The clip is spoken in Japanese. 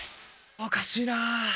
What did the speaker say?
おかしいなぁ。